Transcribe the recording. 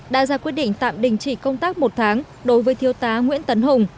đã ra quyết định tạm đình chỉ công tác một tháng đối với thiếu tá nguyễn tấn hùng